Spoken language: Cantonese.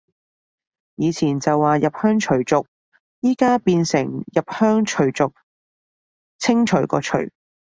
以前就話入鄉隨俗，而家變成入鄉除族，清除個除